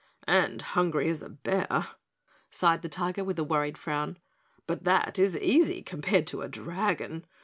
"And hungry as a bear," sighed the Tiger with a worried frown. "But that is easy compared to a dragon.